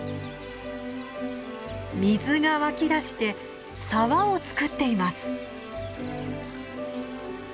水が湧き出して沢をつくっています。